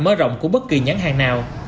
mơ rộng của bất kỳ nhãn hàng nào